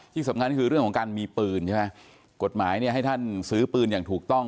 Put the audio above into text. ที่สำคัญคือเรื่องของการมีปืนใช่ไหมกฎหมายเนี่ยให้ท่านซื้อปืนอย่างถูกต้อง